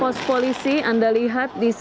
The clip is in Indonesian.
kemarin polisi memberikan batas waktu unjuk rasa